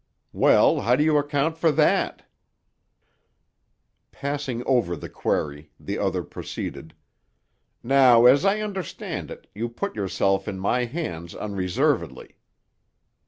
"Well, how do you account for that?" Passing over the query, the other proceeded: "Now, as I understand it, you put yourself in my hands unreservedly."